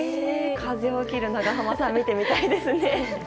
風を切る長濱さん見てみたいですね。